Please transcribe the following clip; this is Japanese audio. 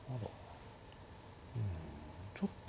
うんちょっと